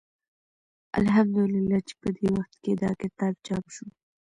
الحمد لله چې په دې وخت کې دا کتاب چاپ شو.